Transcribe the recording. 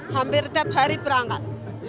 hampir setiap hari perangkat